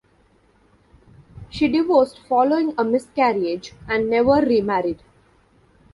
She divorced following a miscarriage and never remarried.